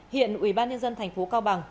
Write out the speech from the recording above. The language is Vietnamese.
hiện ubnd tp cao bằng